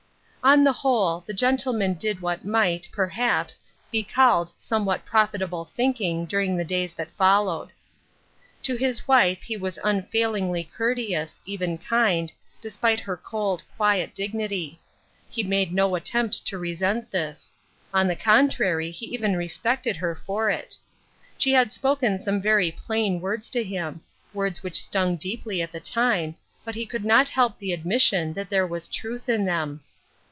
On the whole, the gentleman did what might, perhaps, be called somewhat profitable thinking during the days that followed. To his wife he was unfailingly courteous, even kind, despite her cold, quiet dignity ; he made no attempt to resent this ; on the contrary, he even respected her for it. She had spoken some very plain words to him — words which stung deeply at the time, but he could not help the admission that there was truth in them.